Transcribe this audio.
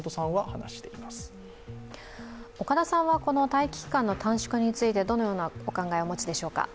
待機期間の短縮について、どのようなお考えをお持ちでしょうか？